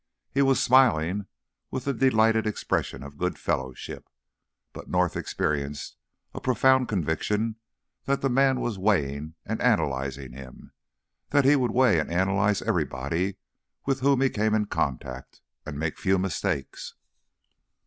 He was smiling with a delighted expression of good fellowship; but North experienced a profound conviction that the man was weighing and analyzing him, that he would weigh and analyze everybody with whom he came in contact, and make few mistakes.